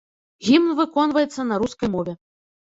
Гімн выконваецца на рускай мове.